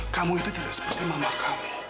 kamu itu tidak seperti mama kamu